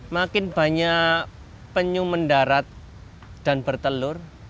makin banyak penyu mendarat dan bertelur